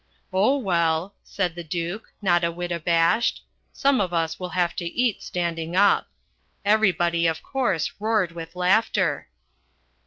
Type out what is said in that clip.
'Oh, well,' said the Duke, not a whit abashed, 'some of us will have to eat standing up.' Everybody, of course, roared with laughter."